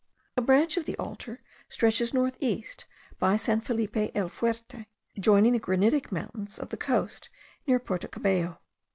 A branch of the Altar stretches north east by San Felipe el Fuerte, joining the granitic mountains of the coast near Porto Cabello.